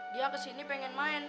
dia kesini pengen main